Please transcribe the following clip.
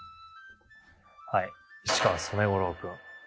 はい市川染五郎君。